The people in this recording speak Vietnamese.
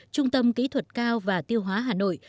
trung tâm kỹ thuật cao và tiêu hóa hà nội